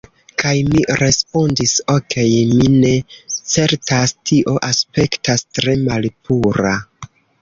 Kaj mi respondis, "Okej mi ne certas... tio aspektas tre malpura..."